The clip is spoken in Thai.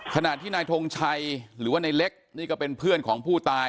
ขณะที่นายทงชัยหรือว่าในเล็กนี่ก็เป็นเพื่อนของผู้ตาย